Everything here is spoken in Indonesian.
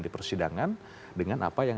di persidangan dengan apa yang